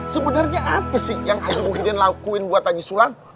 sebenarnya apa sih yang aji bukhidin lakuin buat aji sulang